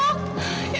bu tenang bu ya